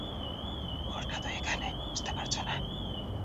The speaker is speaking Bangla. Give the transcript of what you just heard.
ভুলটা তো এখানেই, বুঝতে পারছেন না?